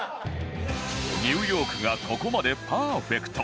ニューヨークがここまでパーフェクト